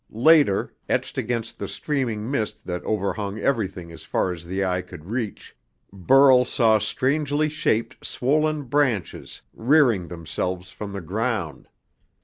Later, etched against the steaming mist that overhung everything as far as the eye could reach, Burl saw strangely shaped, swollen branches rearing themselves from the ground.